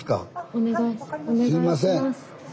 お願いします。